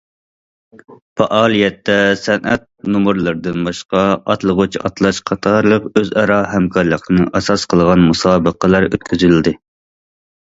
پائالىيەتتە سەنئەت نومۇرلىرىدىن باشقا، ئاتلىغۇچ ئاتلاش قاتارلىق ئۆز ئارا ھەمكارلىقنى ئاساس قىلغان مۇسابىقىلەر ئۆتكۈزۈلدى.